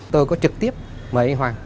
tôi có trực tiếp mời anh hoàng